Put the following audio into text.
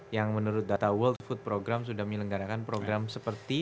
yang menurut data world food program sudah menyelenggarakan program seperti